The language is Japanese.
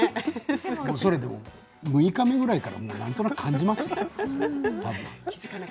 それ６日目ぐらいからなんとなく感じますよ。